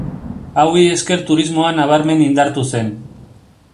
Hauei esker turismoa nabarmen indartu zen.